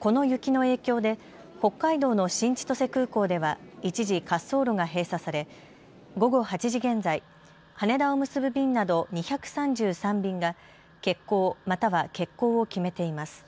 この雪の影響で北海道の新千歳空港では一時、滑走路が閉鎖され午後８時現在羽田を結ぶ便など２３３便が欠航、または欠航を決めています。